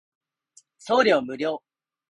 送料無料